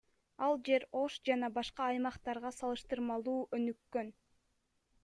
Ал жер Ош жана башка аймактарга салыштырмалуу өнүккөн.